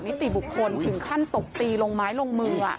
นิติบุคคลถึงขั้นตบตีลงไม้ลงมือ